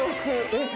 えっ！